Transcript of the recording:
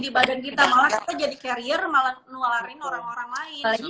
di badan kita malah kita jadi carrier malah nularin orang orang lain